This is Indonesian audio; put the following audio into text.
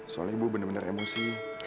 soalnya ibu benar benar emosi